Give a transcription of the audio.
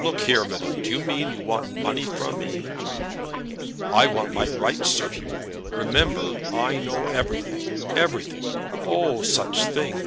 "Look here, madame; do you mean that you want money from me?" "I want my rights, Sir 'Oo. Remember, I know everything; everything; oh, such things!